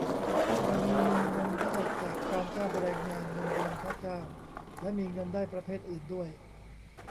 กรณีมีเงินได้จากการจ้างแรงงาน เงินเดือน ค่าจ้าง และมีเงินได้ประเภทอื่นด้วย